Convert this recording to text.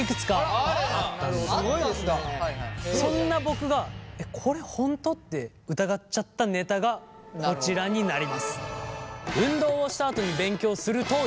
そんな僕がえっこれホント？って疑っちゃったネタがこちらになります。